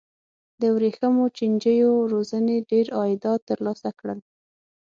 د ورېښمو چینجیو روزنې ډېر عایدات ترلاسه کړل.